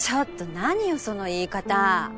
何よその言い方。